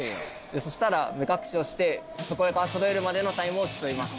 そしたら目隠しをしてそろえるまでのタイムを競います。